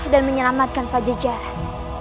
dan menyelamatkan pajajaran